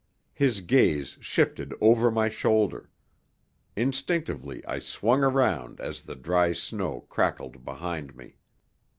His gaze shifted over my shoulder. Instinctively I swung around as the dry snow crackled behind me.